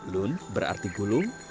lump berarti gulung